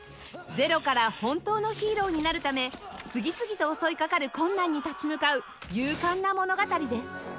ゼロから本当のヒーローになるため次々と襲いかかる困難に立ち向かう勇敢な物語です